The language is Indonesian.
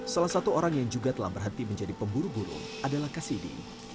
salah satu orang yang juga telah berhenti menjadi pemburu burung adalah kasidi